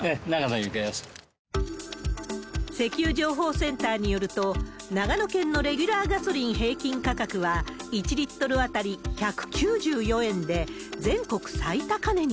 ええ、石油情報センターによると、長野県のレギュラーガソリン平均価格は、１リットル当たり１９４円で、全国最高値に。